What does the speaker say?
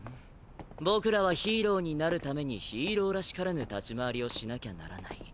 僕らはヒーローになる為にヒーローらしからぬ立ち回りをしなきゃならない。